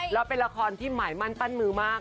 แล้วเป็นละครที่หมายมั่นปั้นมือมาก